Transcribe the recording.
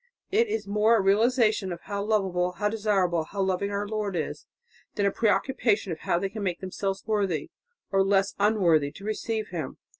It is more a realization of how lovable, how desirable, how loving our Lord is, than a preoccupation of how they can make themselves worthy or less unworthy to receive Him.